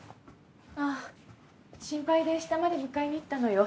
あぁ心配で下まで迎えに行ったのよ。